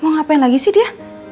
mau ngapain lagi sih dia